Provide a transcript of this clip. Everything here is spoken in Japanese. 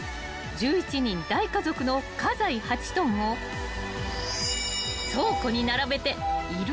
１１人大家族の家財８ｔを倉庫に並べている・